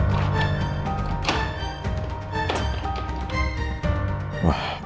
lebih susah si jajari hampir